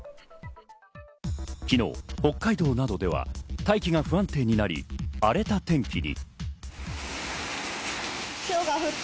昨日、北海道などでは大気が不安定になり、荒れた天気に。